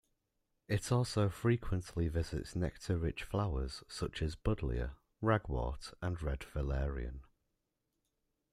It also frequently visits nectar-rich flowers such as "Buddleia", ragwort and red valerian.